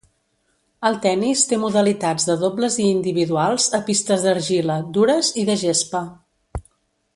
El tennis té modalitats de dobles i individuals a pistes d'argila, dures i de gespa.